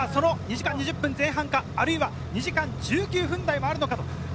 ２時間２０分前半か、あるいは２時間１９分台もあるのか。